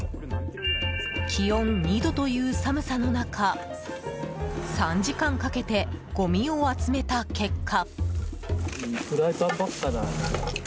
気温２度という寒さの中３時間かけてごみを集めた結果。